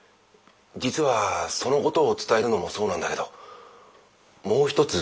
実はそのことを伝えるのもそうなんだけどもう一つ頼みがあって来たんだ。